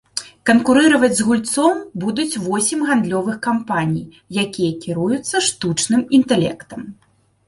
Канкурыраваць з гульцом будуць восем гандлёвых кампаній, якія кіруюцца штучным інтэлектам.